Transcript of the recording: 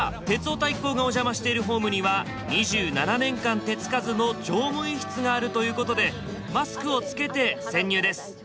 オタ一行がお邪魔しているホームには２７年間手つかずの乗務員室があるということでマスクをつけて潜入です！